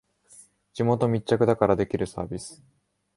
地元密着だからできるサービス